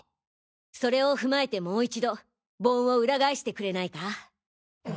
それを踏まえてもう一度盆をウラ返してくれないか？